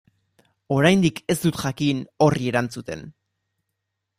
Oraindik ez dut jakin horri erantzuten.